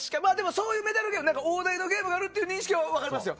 そういうメダルゲームは大台のゲームがあるっていう認識はありますよ。